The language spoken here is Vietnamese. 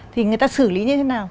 thì người ta xử lý như thế nào